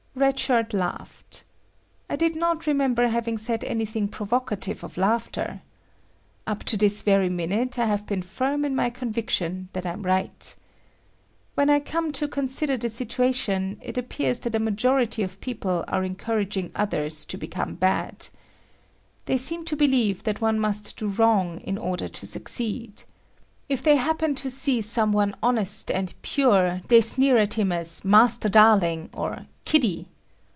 Red Shirt laughed. I did not remember having said anything provocative of laughter. Up to this very minute, I have been firm in my conviction that I'm right. When I come to consider the situation, it appears that a majority of people are encouraging others to become bad. They seem to believe that one must do wrong in order to succeed. If they happen to see some one honest and pure, they sneer at him as "Master Darling" or "kiddy."